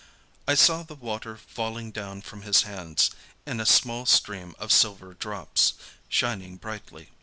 I saw the water falling down from his hands in a small stream of silver drops, shining brightly.